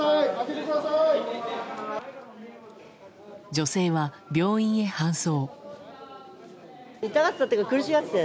女性は病院へ搬送。